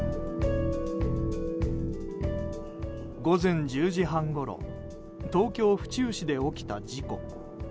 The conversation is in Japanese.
午前１０時半ごろ東京・府中市で起きた事故。